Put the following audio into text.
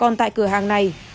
còn tại cửa hàng này